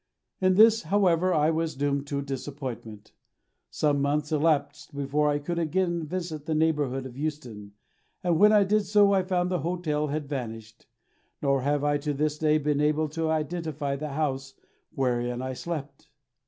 In this, however, I was doomed to disappointment. Some months elapsed before I could again visit the neighbourhood of Euston, and when I did so, I found the hotel had vanished nor have I to this day been able to identify the house wherein I slept.